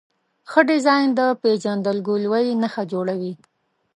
ښه ډیزاین د پېژندګلوۍ نښه جوړوي.